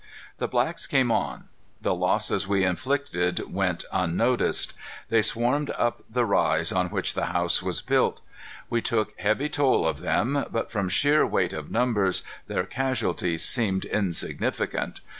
The blacks came on. The losses we inflicted went unnoticed. They swarmed up the rise on which the house was built. We took heavy toll of them, but from sheer weight of numbers their casualties seemed insignificant.